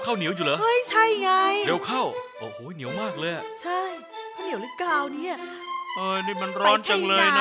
ข้าวเหนียวข้าวเหนียวอยู่นั่นไง